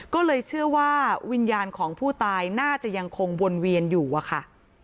ก็เลยเชื่อว่าวิญญาณของผู้ตายน่าจะยังคงวนเวียนอยู่อะค่ะ